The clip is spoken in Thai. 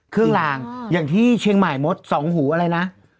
เครื่องลางอย่างที่เชียงใหม่มด๒หูอะไรนะ